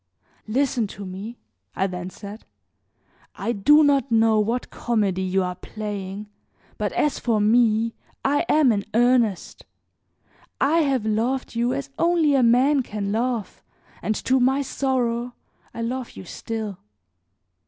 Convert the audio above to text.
"Listen to me," I then said; "I do not know what comedy you are playing, but as for me I am in earnest. I have loved you as only a man can love and to my sorrow I love you still.